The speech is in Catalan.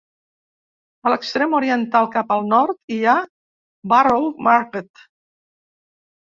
A l'extrem oriental cap al nord hi ha Borough Market.